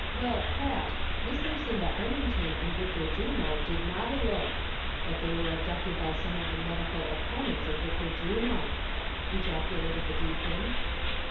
Well, Pat, Miss Lucinda Arm ington and Victor Juno did not elope ; but they were ab ducted by some of the medical opponents of Victor Juno," ejaculated the deacon.